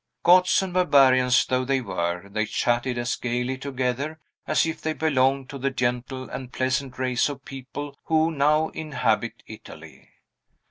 Goths and barbarians though they were, they chatted as gayly together as if they belonged to the gentle and pleasant race of people who now inhabit Italy.